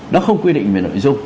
nó không quy định về nội dung